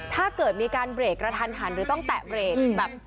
ถ้าเกิดมีการเบรกกระทันหันหรือต้องแตะเบรกแบบ